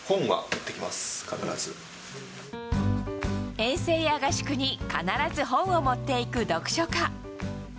遠征や合宿に必ず本を持っていく読書家。